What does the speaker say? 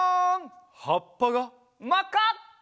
はっぱがまっか！